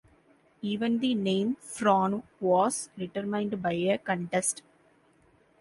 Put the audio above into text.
Even the name "Frohnau" was determined by a contest.